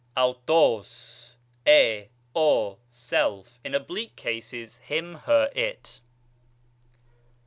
αὐτός, 7, 6, self; in oblique cases, him, her, it.